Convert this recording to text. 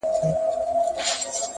ستا د سونډو له ساغره به یې جار کړم,